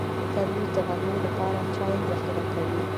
ترموز د غرمو لپاره چای ذخیره کوي.